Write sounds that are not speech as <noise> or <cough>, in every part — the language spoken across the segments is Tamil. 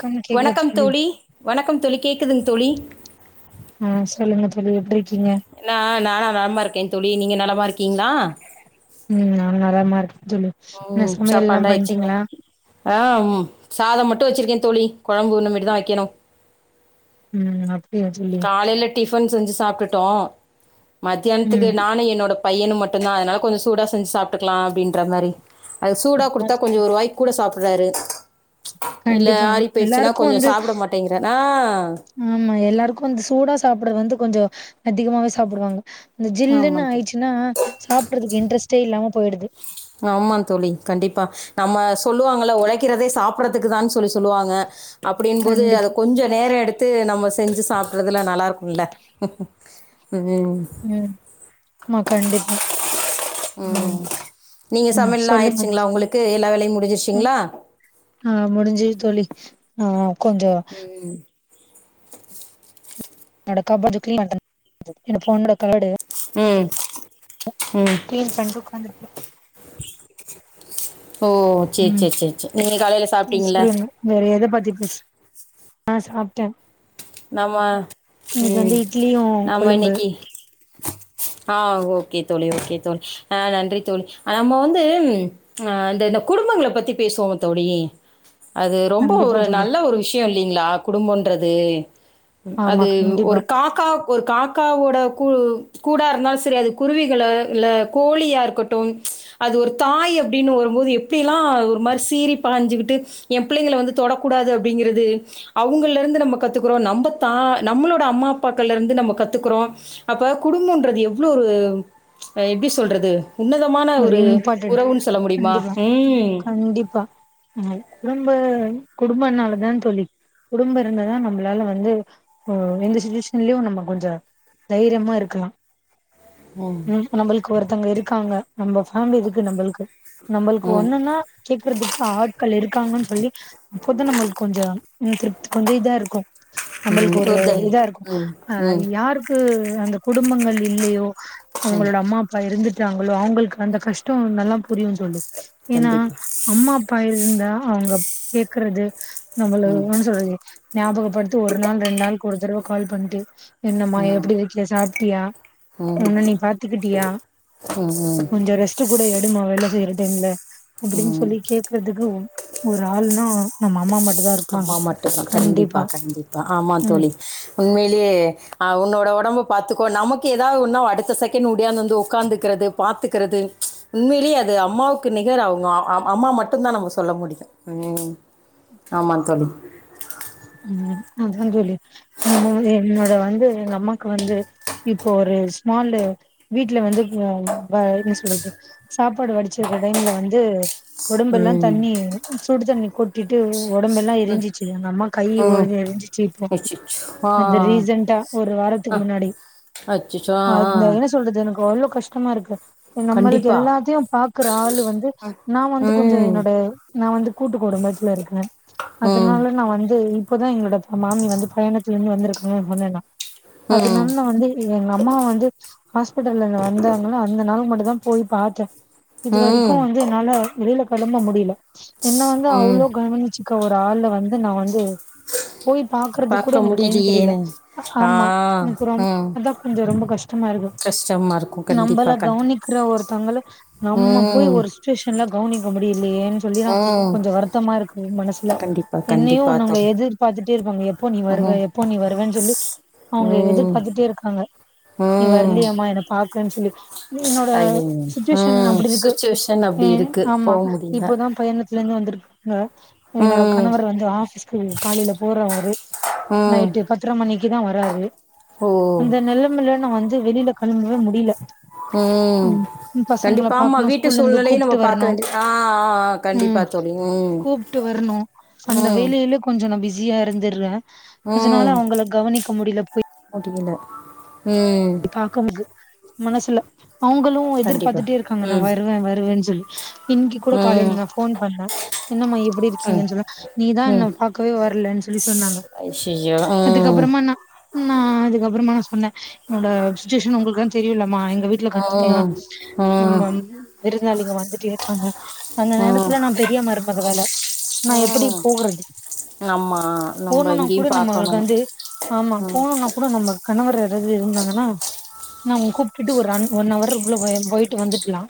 கம் கேக்குதா வணக்கம் தோழி வணக்கம் தோழி கேக்குதுங்க தோழி ம் சொல்லுங்க தோழி எப்டி இருக்கீங்க என்னா நா நானா நலமா இருக்கேன் தோழி நீங்க நலமா இருக்கீங்களா ம் நா நலமா இருக்க தோழி என்ன ம் சமையல்லாம் சாப்பாடுலா ஆயிடுச்சுங்களா பண்ட்டீங்களா ஆ சாதம் மட்டும் வச்சிருக்கேன் தோழி குழம்பு இன்னோ மிட்டு தான் வைக்கணும் ம் அ காலைல டிஃபன் செஞ்சு சாப்ட்டுட்டோம் மத்தியானத்துக்கு ம் நானும் என்னோட பையனு மட்டும்தான் அதனால கொஞ்சம் சூடா செஞ்சு சாப்டுக்கலாம் அப்டின்ற மாரி அது சூடா ஆமா குடுத்தா கொஞ்சோ தோழி ஒரு வாய் கூட சாப்பறாரு இல்ல கண்டிப்பா ஆறிப்போய்றடுச்சுனா எல்லாருக்கு கொஞ்சோ வந்து சாப்பிட மாட்டேங்கறேனா ஆமா எல்லாருக்கும் வந்து சூடா சாப்பிடுற வந்து கொஞ்சோ அதிகமாவே சாப்பிடுவாங்க இந்த ஜில்லுன்னு ஆமாங் தோழி ஆயிச்சுன்னா சாப்பிடறதுக்கு இன்ட்ரெஸ்ட்டே இல்லாம போயிடுது ஆமா தோழி கண்டிப்பா நம்ம சொல்லுவாங்கல்ல உழைக்கிறதே சாப்புறதுக்கு தா சொல்லி சொல்லுவாங்க அப்டின்போது அத கண்டிப்பா கொஞ்ச நேர எடுத் த்து நம்ம செஞ்சு சாப்ட்றதுல நல்லா இருக்கும்ல ம் ம் மா கண்டிப்பா ம் நீங்க ம் சமையல்லா சொல்லுங்க ஆயிருச்சுங்ளா உங்களுக்கு எல்லா வேலையு ம் முடிஞ்சிருச்சிங்ளா ஆ முடிஞ்சது தோழி நா கொஞ்ச என்னோட கபோர்ட்டு கிளீனா இருக்கனு என்னோட பொண்ணோட கபோர்டு ம் ம் கிளீன் பண்ட்டு ஒக்காந்துருக்கே ஓ சேர் ம் சேர் சேர் சேர் நீங்க காலைல ம் சாப்ட்டீங்கள சொல்லுங்க வேற எத பத்தி பேச ஆ சாப்ட்டே நம்ம இன்னைக்கு ம். வந்து இட்லியு நம்ம கொழம்பு இன்னைக்கு ஆ ஓகே தோழி ஓகே தோழி ஆ நன்றி தோழி அ நம்ம வந்து அ அந்த இந்த குடும்பங்கல பத்தி பேசுவோங்க தோழி அது ரொம்ப கண்டிப்பா ஒரு தோழி நல்ல ஒரு விஷ்ய இல்லைங்ளா குடும்போன்றது ஆமா அது கண்டிப்பா ஒரு காக்கா ஒரு காக்காவோட குழு கூடா இருந்தாலு செரி அது குருவிகள இல்ல கோழியா இருக்கட்டு அது ஒரு தாய் அப்டின் வரும்போது எப்டிலா ஒரு மாரி சீரி பாஞ்சுகிட்டு எ பிள்ளைங்கள வந்து தொடக்கூடாது அப்டிங்கிறது அவுங்கள்லருந்து நம்ம கத்துக் குறோ நம்ப தா நம்ளோட அம்மா அப்பாக்கள்லருந்து நம்ம கத்துக்றோ அப்ப குடும்போன்றது எவ்ளோ ஒரு அ எப்டி சொல்றது உன்னதமான ஒரு உறவுன் சொல்ல முடியுமா ம் கண்டிப்பா அ குடும்ப குடும்பனாலதா தோழி குடும்ப இருந்ததா நம்மளால வந்து அ எந்த சுச்சுவேஷன்லயு நம்ம கொஞ்ச தைரியமா இருக்கலா ம் நம்பளுக்கு ஒருத்தங்க இருக்காங்க நம்ப ஃபேம்லி இருக்கு நம்பளுக்கு நம்பளுக்கு ம், ஒன்னுன் னா கேக்குறதுக்கு ஆட்கள் இருக்காங்கன் சொல்லி அப்போதா நம்மளுக்கு கொஞ்ச இன்னு திருப்த் கொஞ்ச இதா இருக்கு நம்பளுக்கு ம். ஒரு ஒருத இதா இருக்கு ம், அ ம், யாருக்கு கு அந்த குடும்பங்கள் இல்லையோ ம். அவ்ங்களோட அம்மா அப்பா எறந்துட்டாங்களோ அவ்ங்களுக் அந்த கஷ்டோ நல்லா புரியு தோழி ஏனா கண்டிப்பா. அம்மா அப்பா இருந்தா அவ்ங்க கேக்குறது நம்மள ம், என்னன் சொல்றது ஞாபகப்படுத்தி ஒரு நாள் ரெண்ட் நாளுக்கொரு தரவ கால் பண்ட்டு என்னம்மா ம், எப்டி இருக்கியி சாப்ட்டியா ம், ஒன்ன நீ பாத்துக்கிட்டியா ம் ம் கொஞ்ச ரெஸ்ட்டுக் கூட எடுமா வேல செய்ற டைம்ல அப்டின் ம். சொல்லி கேக் க்குறதுக்கு ஒ ஒரு ஆளுனா நம்ம அம்மா மட் அம்மா மட்டுந்தா கண்டிப்பா கண்டிப்பா ஆமா ம் தோழி உண்மைலயே ஆ உன்னோட ஒடம்ப பாத்துக்கோ நமக்கு எதாவ்து ஒன்னா அடுத்த செகண்ட் உடியாந்து வந்து ஒக்காந்துக்கிறது பாத்துக்கிறது உண்மைலே அது அம்மாவுக்கு நிகர் அவ்ங்க அம்மா மட்டுந்தா நம்ம சொல்ல முடியு ம் ஆமா தோழி ம் அதா தோழி நம்ம வந் என்னோட வந்து எங்க அம்மாக்கு வந்து இப்போ ஒரு ஸ்மால்லு வீட்ல வந்து இப்ப வ வ என்ன சொல்றது சாப்பாடு வடிச்சிருக்க டைம்ல வந்து ஒடம்பெல்லா ம் தண்ணி சுடுத்தண்ணி கொட்டிட்டு ஒடம்பெல்லா எரிஞ்சிச்சு எங்கம்மாக் ம் தீவோடுது எழுஞ்ச்சீ இப்போ அச்சச்சோ. ஆ அந்த ரீசன்டா ஒரு வாரத்துக்கு முன்னாடி அச்சுச்சோ ஆஆ அந்த என்ன சொல்றது எனக் அவ்ளோ கஷ்டமா இருக்கு நம்ளுக்கு கண்டிப்பா எல்லாத்தையு பாக்குற ஆளு வந்து நா வந்து ம் கொஞ்ச என்னோட நா வந்து கூட்டு குடும்பத்துல இருக்குற ம் அதனால நா வந்து இது இப்பதா எங்களோட மாமி வந்து பயணத்துல இருந்து வந்திருக்காங்க சொன்ன நா ம் அதனால வந்து எங்க அம்மா வந்து ஹாஸ்பிடல்ல இந் வந்தாங்ல்ல அந்த நாள் மட்டு தா போய் பாத்த இது வறிக்கு ம் வந்து என்னால வெளில களம்ப முடில என்ன வந்து ம் அவ்ளோ கவனிச்சி க்க ஒரு ஆள வந்து நா வந்து போய் பாக்றது கூட பார்க்க எனக் டைம் கடைல முடியலையேன்னு ஆ ஆமா அப்புற ம் அதா கொஞ்ச ரொம்ப கஷ் மருது கஷ்டமா இருக்கு நம்பள கண்டிப்பா கண்டி கவ்னிக்கற ஒருத்தவங்கள நம்ம போய் ம் ஒருஸ் டியூஷன்லா கவனிக்க முடியலையேன் சொல்லி தா ம் கொஞ்ச வருத்தமா இருக்கு மனசுல கண்டிப்பா என்னையு கண்டிப்பா அவங் தோழி எதிர்பாத்துட்டே இருப்பாங்க எப்போ நீ வருவ ம் எப்போ நீ வருவேன் சொல்லி அவங்க ம் எதிர்பாத்துட்டே இருக்காங்க நீ ம் வர்லியாமா எனன பாக்கன் சொல்லி என்னோட ஐயோ சுச்சுவேஷன் ம் அப்டி இருக்கு சுச்சுவேஷன் அப்படி ம் இருக்கு ஆமா போக முடியல இப்பதா பயனத் துல இருந்து வந்துருக்காங்க என்னோட ம் கணவர் வந்து ஆபிஸ்க்கு காலில போறாரு ம் நைட்டு பத்தர மணிக்கு தா வர்ராரு ஓ அந்த நிலமல நா வந்து வெளில களம்பவே முடில ம் பசங்கள கண்டிப்பா ஆமா பாக்கணு வீட்டு ஸ்கூல்ல இருந்து சூழ்நிலையும் நம்ம கூப்ட்டு பார்க்க வரணு வேண்டியது ஆ ஆ, ஆ, கண்டிப்பா ம் தோழி ம் கூப்ட்டு வர்ணு அந்த ம் வேலையில கொஞ்ச நா பிஸியா இருந்துர்றே அதனால அவங்கள கவனிக்க முடில போய் அப்டிங்கல ம் பாக்க முது மனசுல அவுங்களு கண்டிப்பா எதிர்பார்த்துட்டேருக்காங்க நா ம் வருவ வருவ சொல்லி இன்னக்கி கூட ம் காலையில நா ஃபோன் பண்ண என்னம்மா எப்டி ம் இருக்கீங்கன்னு சொன்னா நீதா ம் என்ன பாக்கவே வரலன்னு சொல்லி சொன்னாங்க ய ம் அதுக்கப்புறமா நா நா அதுக்கப்புறமா நா சொன்ன என்னோட சுச்சுவேஷன் உங்ளுக்குதா தெரியுல்லமா எங்க வீட்டுல ம் ம் கன்டிநியூவா விருந்தாளிங்க வந்துட்டே பாங்க அந்த ம் நேரத்துல நா பெரிய மருமக வேல நா எப்டி ம் போறது ஆமா நம்ம போணுனா இங்கேயு கூட பாக்கணு நம்ளுக்கு வந்து ஆமா போணும்னா கூட நம்ம கணவர் எர இருந்தாங்கனா நா கூப்டுட்டு ஒரு ரன் ஒன் அவர்குள்ள போயிட்டு வந்துட்லா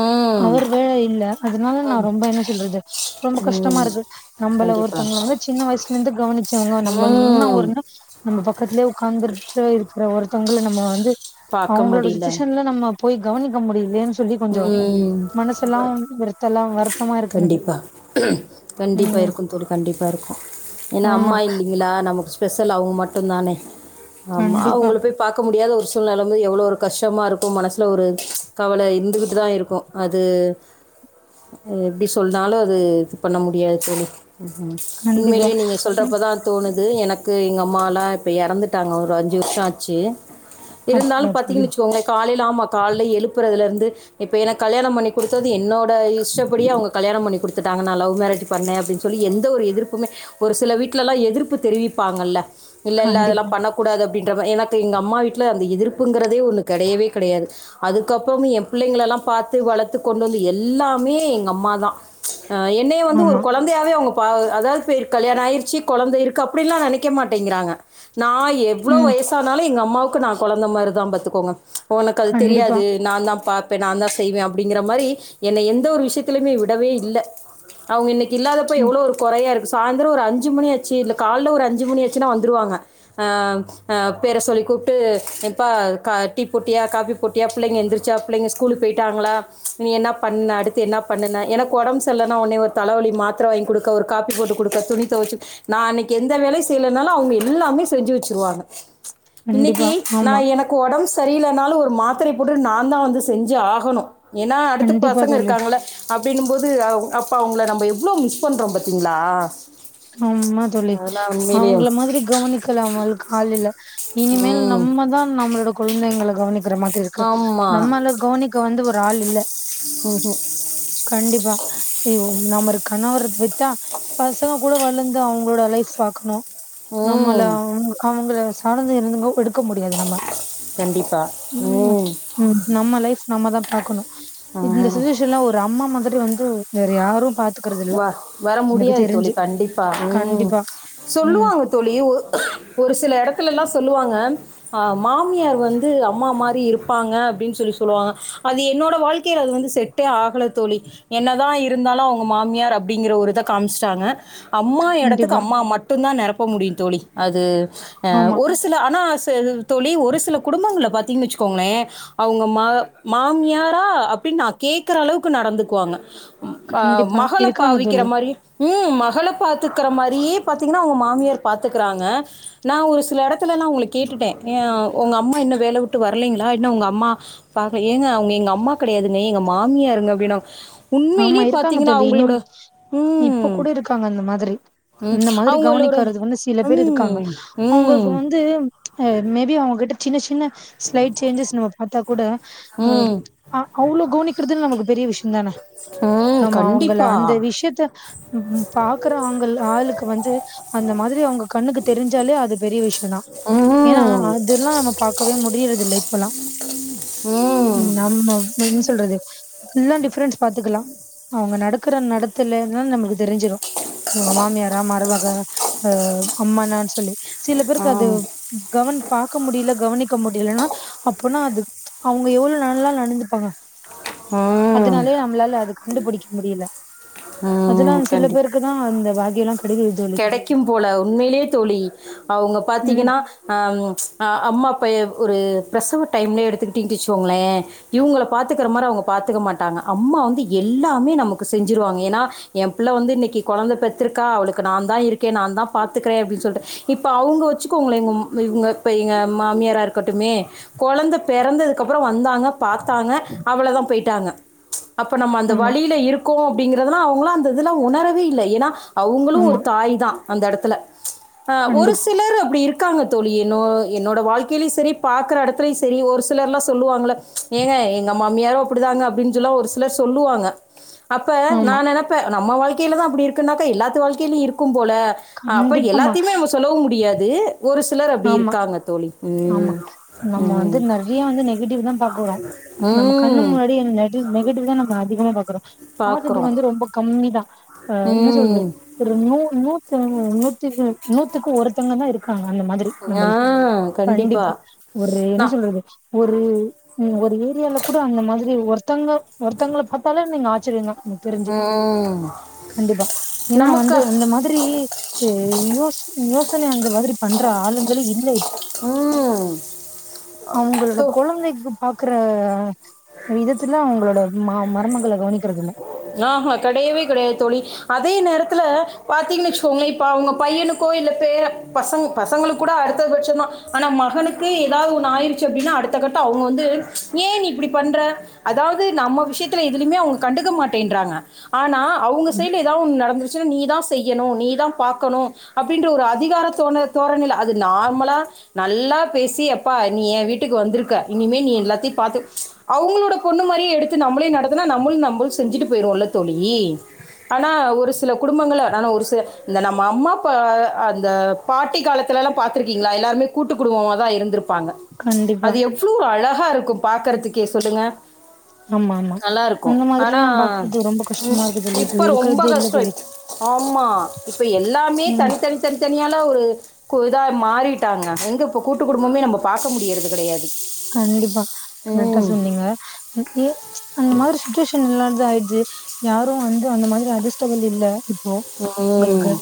ம் அவர் வேல இல்ல அதனால நா ம் ரொம்ப என்ன சொல்றது ரொம்ப ம் கஷ்டமாருக்கு நம்மள கண்டிப்பா ஒருத்தவங்கள வந்து சின்ன வயசுல இருந்து கவனிச்சவங்க நம்ல இன்னா ம் ஒரு நம்ம பக்கத்திலேயே உட்கார்ந்துர்ட்டு இருக்கிற ஒருத்தவங்கல நம்ம வந்து பாக்க அவுங்ளோட முடியல சுச்சுவேஷன்ல நம்ம போய் கவனிக்க முடியலே சொல்லி கொஞ்ச ம் மனசெல்லா வெறுத் தலாம் வருத்தமா இருக்கனது கண்டிப்பா ம் கண்டிப்பாஇருக்கு ஏனா ஆமா அம்மா இல்லிங்ளா நமக் ஸ்பெஷல் அவுங் மட்டு தானே ஆமா கண்டிப்பா அவுகள போய் பாக்க முடியாத ஒரு சூழ்நில வந்து எவ்ளோ ஒரு கஷ்டமா இருக்கு மனஸ்ல ஒரு கவல இருந்துக்கிட்டு தா இருக்கு அது எப்டி சொன்னாலும அது இது பண்ண முடியாது தோழி ம் கண்டிப்பா உண்மையிலயே நீங்க ம் சொல்றப்பதா தோணுது எனக்கு எங்க அம்மாலா இப்ப இறந்துட்டாங்க ஒரு அஞ்சி வருஷோ ஆச்சி இருந்தாலு அப்படியா தோழி பத்திக்வச்கோங்ளே காலைல ஆமா கால்ல எழுப்பறதுலேருந்து இப்ப எனக் கல்யாணம் பண்ணி கொடுத்தது என்னோ இந்த இஷ்டப்படியே அவ்க கல்யாணம் பண்ணி கொத்துட்டாங்க நா லவ் மேரேஜ் பண்ண அப்டின் சொல்லி எந்த ஒரு எதிர்ப்புமே ஒரு சில வீட்ல எல்லா எதிர்ப்பு தெரிவிப்பாங்கல்ல இல்ல இல்ல அதெல்லா கண்டிப்பா பண்ணக்க கூடாது அப்டின்றப எனக்கு எங்க அம்மா வீட்ல அந்த எதிர்ப்புங்கறதே ஒன்னு கெடையவே கெடையாது அதுக்கப்புறம் என் பிள்ளைங்கள எல்லா பார்த்து வளர்த்து கொண்டு வந்து எல்லாமே எங்க அம்மாதா என்ன வந்து ஒரு ஆமா குழந் தையாவே அவங்க பா அதாவது பே கல்யாணம் ஆயிருச்சி குழந்தை இருக்கு அப்டின்லா நினைக்கே மாட்டேங்கிறாங்க நா எப் எவ்ளோ ம் வயசானனாலு எங்க அம்மாவுக்கு நா கொழந்த மாதிரி தா பத்துக்கோங்க உனக்கு அது கண்டிப்பா தெரியாது நா தா பாப்பே நா தா செய்வ அப்டிங்கிற மாரி என்ன எந்த ஒரு விஷயத்தலயுமே விடவே இல்ல அவங்க இன்னைக்கி இல்லாதப்போ ம் எவ்ளோ ஒரு குறையா இருக்கு சாய்ந்ரோ ஒரு அஞ்சு மணியாச்சி இல்ல கால்ல ஒரு அஞ்சி மணியா சின்னா வந்துருவாங்க அ அ பேர சொல்லி கூப்ட்டு எப்பா டீ போட்டியா காஃபி போட்டியா பிள்ளங்க எந்திரச்சா பிள்ள ஸ்கூலுக்கு போயிட்டாங்ளா நீ என்ன பண்ண அடுத்து என்ன பண்ணுண எனக்கு உடம்புசரில்லனா உன்னே ஒரு தலைவலி மாத்திர வாங்கி குடுக்க ஒரு காப்பி போட்டு கொடுக்க துணி தோவச்சி நா அன்னைக்கு எந்த வேலையு செய்யலனாலு அவங்க எல்லாமே செஞ்சு வச்சிருவாங்க இன்னக்கி கண்டிப்பா ஆமா எனக்கு உடம்பு சரியில்லனால ஒரு மாத்திரை போட்டு நா தா வந்து செஞ்சி ஆகணு ஏனா அடுடத்த கண்டிப்பா பசங்க தோழி இருக்காங்கள அப்டின்னும்போது அவ் அப்ப அவங்கள நம்ம எவ்ளோ மிஸ் பண்றோ பாத்தீங்ளா ஆம்மா தோழி அவங்கள மாதிரி கவனிக்கலா அவங்களுக்கு காலேல இனிமேல் ம் நம்மதா நம்மளோட குழந்தைங்க கவனிக்கிற மாதிரி இருக்கு நம்மால கவனிக்க வந்து ஒரு ஆள் இல்ல உ கு கண்டிப்பா ஏய் ஒ நம்மரு கணவரு விட்டா பசங்க கூட வளர்ந்து அவங்களோட லைஃப் பாக்கணு நம்மள ம் அவ்ங்கிள் அவங்கள சார்ந்து இருந்துகோ எடுக்க முடியாது நம்ம கண்டிப்பா உம் நம்ம லைஃப் நம்ம தா பாக்கணு இந்த ஆ சுச்சுவேஷன்லா ஒரு அம்மா மாதிரி வந்து வேற யாரு பாத் வ வர முடியாது தோழி கண்டிப்பா உம் கண்டிப்பா ம் சொல்லுவாங்க தோழி ஒரு சில எடத்தில்லா சொல்லுவாங்க ஆம் மாமியார் வந்து அம்மா மாதிரி இருப்பாங்க அப்டின்னு சொல்லி சொல்லுவாங்க அது என்னோட வாழ்க்கையில் அது வந்து செட் டே ஆகல தோழி என்னதா இருந்தாலு அவ்ங் மாமியார் அப்டிங்கிற ஒரு இத காமிச்சிட்டாங்க அம்மா எடத்துக்கு கண்டிப்பா அம்மா மட் டுதா நிரப்ப முடியு தோழி அது அ ஆமா ஒருஷ் தில்ல ஆனா சேது தோழி ஒரு சில குடும்பங்கள பாத்தீங்ன்னு வச்சிக்கோங்கள அவங்க மா மாமியாரா அப்டின்னு நா கேக்குற அளவுக்கு நடந்துக்குவாங்க ம், ஆ, கண்டிப்பா <unintelligible> இருக்காங்க பாவிக்கிற தோழி மார் உம் மகள பாத்துக்கற மாரியே பாத்தீங்னா அவங்க மாமியார் பாத்துக்கிறாங்க நா ஒரு சில எடத்துலலா உங்கள கேட்டுட்டே எ ஆ ஓ உங்கள் அம்மா இன்னு வேலவுட்டு வரலைங்ளா இன்னு உங்க அம்மா பாக்ல ஏங்க அவங்க எங்க அம்மா கெடையாதுங்க எங்க மாமியாருங்க அப்டினா உண்மையிலே ஆமா பாத் இருக்காங்க தோழி இனிம் இப்ப கூட இருக்காங்க அந்த மாதிரி ம், அந்த மாதிரி அவங்களோட கவனிக்கறது வந்து சில பேர் இருக்காங்க ம் ம் அவங்களுக்கு வந்து அ ம் மேபி அவங்ககிட்ட சின்ன சின்ன ஸ்லைட் சேஞ்சஸ் நம்ம பாத்தா கூட அவ் ம் ஆ அவ்ளவு கவனிக்கிறதுன்னு நமக்கு பெரிய விஷயோ தான ம் நம்ம அவங்கேல கண்டிப்பா அந்த விஷ் விஷயத்த ம் பாக்குற அங்க ஆளுக்கு வந்து அந்த மாதிரி அவங்க கண்ணுக்கு தெரிஞ்சாலே அது பெரிய விஷயந் தா ம் ஏன்னா அதல்லா நம்ம பா பக்கவே முடியிறதில்ல இப்பல்லா ம் உம் அம்மா என்ன சொல்றது ஃபுல்லா டிஃப்ரென்ஸ் பாத்துக்கலா அவங்க நடக்குற நடத்தல நம்மளுக்கு தெரிஞ்சிடு அவங்க மாமியாரா மருமக அ அம்மானான் சொல்லி சில பேருக்கு அது ம் கவன் பாக்க முடியல கவனிக்க முடியலன்னா அப்பனா அது அவங்க எவ்ள நல்லா நடந்துப்பாங்க ம் அதனாலயே நம்மளால அது கண்டுபிடிக்க முடியல அதெல்லா ம் சில பேருக்கு தா அந்த பாக்கியல்லா கெடைக்குது தோழி கெடைக்கும் போல உண்மையிலே தோழி அவங்க ம் பாத்தீங்கன்னா அம்மா அப்பா ஒரு பிரசவ டைம்ல எடுத்துக்கிட்டிங்கசோங்ளே இவங்க பாத்துக்கிற மாரி அவங்க பாத்துக்க மாட்டாங்க அம்மா வந்து எல்லாமே நமக்கு செஞ்சிருவாங்க ஏன்னா ஏம்பிள்ள வந்து இன்னக்கி கொழந்த பெத்துருக்கா அவளுக் கு நாந்தா இருக்கே நாந்தா பாத்துக்குறே அப்டீன் சொல்ட்டு இப்ப அவங்க வச்சிகோங்லே இப்ப எங்க மாமியாரா இருக்கட்டுமே கொழந்த பெறந்ததுக்கப்ரோ வந்தாங்க பாத்தாங்க அவ்ளதா போயிட்டாங்க அப்போ நம்ம அந்த ஆமா வலியில இருக் கோ அப்படிங்கறதெல்லா அவங்களு அந்ததல்லா உணரவே இல்ல ஏன்னா அவங்களு ஒரு ஆமா தாய் தா அந்த எடத்துல ஒரு கண்டிப்பா சிலர் அப்டி இருக் இருக்காங்க தோழி என்னோ என்னோட வாழ்க்கையிலு சரி பாக்குற எடத்துலயு சரி ஒரு சிலர் லா சொல்லுவாங்கள்ள ஏங்க எங்க மாமியாரு அப்டிதாங்க அப்டின்னு ஜொல்லா ஒரு சிலர் சொல்லுவாங்க அப்ப நா ஆமா நென நம்ம வாழ்கையில தா அப்டி இருக்குன்னாக்கா எல்லாத்து வாழ்க்கையிலு இருக்கும் போல அப்ப கண்டிப்பாமா எல்லாத்தையுமே சொலவும் முடியாது ஒரு சிலர் அப்படி ஆமா இருக்காங்க தோழி ம் ஆமா நம்ம வந்து ம் நெறைய வந்து நெகட்டிவ் தா பாக்குறோ நம்ம கண்ணு ம் முன்னாடியே இந்த நெகட்டிவ் தா நம்ம அதிகமா பாக்குறோ பாசிட்டிவ் பார்க்குறோம் வந்து ரொம்ப கம்மி தா அ என்ன சொல்றது ம் ஒரு நூ நூத்த நூத்துக்கு நூத்துக்கு ஒருத்தங்க தா இருக்காங்க அந்த மாதி ஆ நம்மளுக் கண்டிப்பா ஒரு என்ன நா சொல்றது ஒரு நீ ஒரு ஏரியால கூட அந்த மாதிரி ஒருத்தங்க ஒருத்தங்கல பாத்தாலே நீங்க ஆச்சரியந்தா எனக் தெரிஞ்சு ம் கண்டிப்பா ஏன்னா வந்து நமக்கா இந்த மாதிரி யோச யோசன அந்த மாதிரி பண்ற ஆளுங்க இல்லே ம் அவங்களோட தோ கொழந்தக்கி பாக்குற விதத்துல அவங்களோட ம மர்மங்கள கவனிக்கிறதில்ல ஆஹா கெடையவே கெடையாது தோழி அதே நேரத்துல பாத்தீங்கன்னு வச்சுகோங்ளே இப்ப அவங்க பையனு கோ இல்ல பேர பசங்க பசங்களுக்கு கூட அடுத்தபட்ச தா ஆனா மகனுக்கு ஏதாவது ஒண்ணு ஆயிருச்சி அப்டின்னா அடுத்த கட்ட அவங்க வந்து ஏ நீ இப்டி பண்ற அதாவது நம்ம விஷயத்துல எதுலயுமே அவங்க கண்டுக்க மாட்டேன்றாங்க ஆனா அவங்க ம், சைட்ல ஏதாவொன்னு நடந்து ச்சுனா நீ தா செய்யணு நீ தா பாக்கணு அப்டின்ற ஒரு அதிகார தோண தோரணைல அது நார்மலா நல்லா பேசி எப்பா நீ எ வீட்டுக்கு வந்திருக்க இனிமே நீ எல்லாத்தயு பாத்து அவங்களோட பொண்ணு மாரியே எடுத்து நம்லையு நடத்துனா நம்மளு நம்ம செஞ்ஜிட்டு போயிருவோல்ல தோழி ஆனா ஒரு சில குடும்பங்க ஆனா ஒரு சில இந்த நம்ம அம்மா அப்பா அந்த ஃபாட்டி காலத்லலா பாத்ருக்கீங்களா எல்லாருமே கூட்டு குடும்பமா தா இருந்திரு ப்பாங்க கண்டிப்பா அது எவ்ளோ அழகா இருக்கு பாக்றதுக்கே சொல்லுங்க ஆமா ஆமா அந்த மாதிரி ஆனா இப்ப ரொம்ப இருக்கறதே இல்ல கஷ்டோ இ தோழி ஆமா இப்ப எல்லாமே ம் தனித்தனி தனித்தனி தனியால ஒரு இதா மாறிட்டாங்க எங்க இப்ப கூட்டு குடும்பமே நம்ம பாக்க முடியர்றது கெடையாது கண்டிப்பா கரெக்டா சொன்னீங்க ஏ அந்த மாதிரி சுச்சுவேஷன் எல்லாத ஆயிடுச்சு யாரு வந்து அந்த மாதிரி அஜ்ஜஸ்டபுள் இல்ல ஓ உங்கள்க்கு ம்,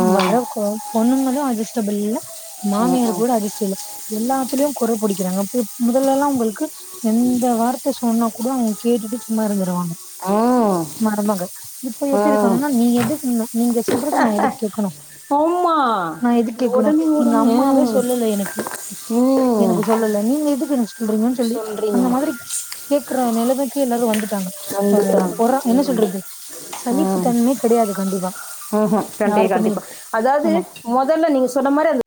ம், வர ம், பொண்ணுங்களு அட்ஜஸ்டபுள் இல்ல ம், மாமியார் ம், கூட அட்ஜஸ்டபுள் எல்லாத்துலேயு கொற பிடிக்கிறாங்க முதல்லல்லா உங்களுக்கு எந்த வார்த்த சொன்னாக் கூட அவங்க கேட்டுட்டு சும்மா இருந்துருவாங் ம். மருமகள் இப்ப எப்டி இருக்காங்கன்னா நீ எது நீங்க சொல்றது நா எதுக் கேக்கணு ஆம்மா ஒடனே எங்க ஒடனே அம்மாவே சொல்லல எனக்கு. உம் எனக்கு சொல்லல நீங்க எதுக்கச்சி சொல்றீங்கன்னு சொல்லி அந்த மாதிரி கேக்குற நெலமைக்கு எல்லாரு வந்துட்டாங்க வந்துட்டாங்க பொற என்ன சொல்றது சலிப்பு ம் தன்மே கெடயாது கண்டிப்பா யாருக்குமே ஆமா மொதல்ல நீங்க சொன்ன மாரி அது